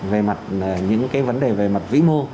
về mặt những cái vấn đề về mặt vĩ mô